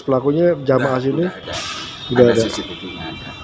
pelakunya jamaah sini udah ada